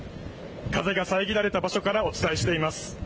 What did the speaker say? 風が遮られた場所からお伝えしています。